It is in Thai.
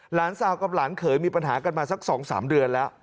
หลานสาวกับหลานเขยมีปัญหากันมาสัก๒๓เดือนแล้ว